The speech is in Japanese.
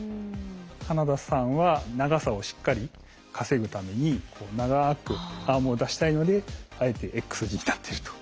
花田さんは長さをしっかり稼ぐために長くアームを出したいのであえてＸ字になっていると。